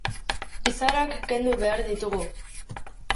Izarak kendu behar ditugu.